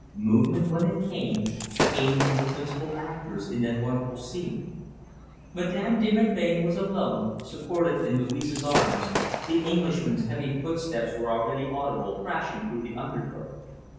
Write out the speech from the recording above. Movement, when it came, came from the principal actors in that wonderful scene. Madame de Melbain was alone, supported in Louise's arms, the Englishman's heavy footsteps were already audible, crashing through the undergrowth.